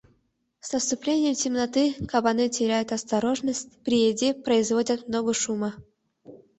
С наступлением темноты кабаны теряют осторожность, при еде производят много шума.